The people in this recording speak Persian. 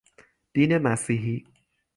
دین مسیحی